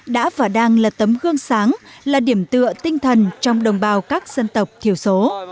đã và đang là tấm gương sáng là điểm tựa tinh thần trong đồng bào các dân tộc thiểu số